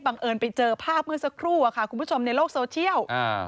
บังเอิญไปเจอภาพเมื่อสักครู่คุณผู้ชมในโลกโซเชียล